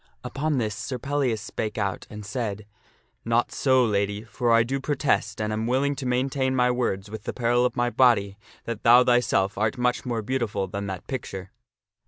Upon this Sir Pellias spake out and said, " Not so, Lady ; for I do pro test, and am willing to maintain my words with the peril of my body, that thou thyself art much more beautiful than that picture."